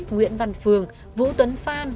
nguyễn văn phường vũ tuấn phan